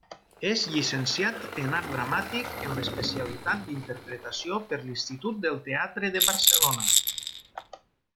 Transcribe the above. És llicenciat en Art Dramàtic en l'especialitat d'Interpretació per l'Institut del Teatre de Barcelona.